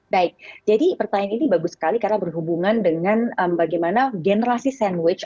baik jadi pertanyaan ini bagus sekali karena berhubungan dengan bagaimana generasi sandwich